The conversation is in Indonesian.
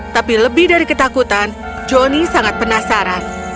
tapi lebih dari ketakutan johnny sangat penasaran